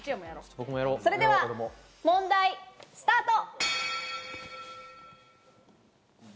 それでは問題スタート。